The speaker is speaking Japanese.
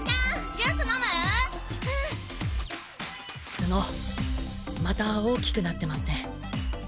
角また大きくなってますね。